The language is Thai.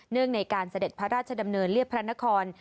งในการเสด็จพระราชดำเนินเรียบพระนคร